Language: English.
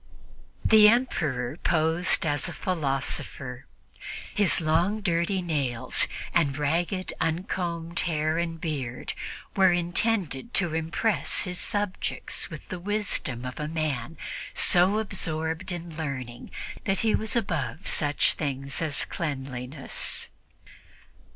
The Emperor posed as a philosopher. His long, dirty nails and ragged, uncombed hair and beard were intended to impress his subjects with the wisdom of a man so absorbed in learning that he was above such things as cleanliness.